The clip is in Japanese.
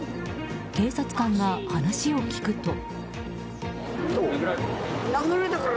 警察官が話を聞くと。